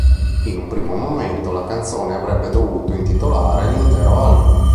In un primo momento la canzone avrebbe dovuto intitolare l'intero album.